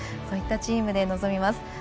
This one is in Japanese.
そういったチームで臨みます。